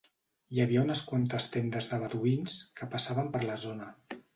Hi havia unes quantes tendes de beduïns que passaven per la zona.